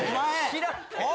知らんて。